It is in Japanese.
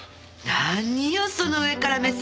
何よその上から目線。